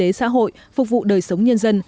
để phát triển kinh tế xã hội phục vụ đời sống nhân dân